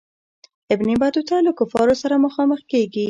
ابن بطوطه له کفارو سره مخامخ کیږي.